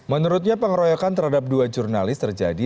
menurutnya pengeroyokan terhadap dua jurnalis terjadi